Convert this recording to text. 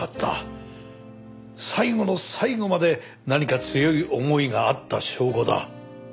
最後の最後まで何か強い思いがあった証拠だ。